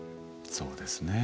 そうですねえ。